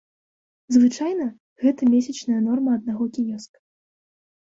Звычайна, гэта месячная норма аднаго кіёска.